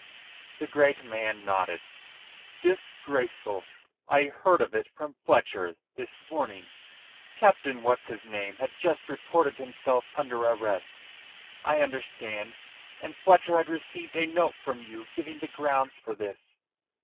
The great man nodded. "Disgraceful! I heard of it from Fletcher this morning. Captain What's his name had just reported himself under arrest, I understand, and Fletcher had received a note from you giving the grounds for this.